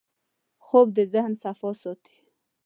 خوب د ذهن صفا ساتي